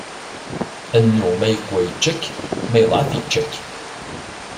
Annu ma iqwa ičča-k, ma iḍɛef ičča-k.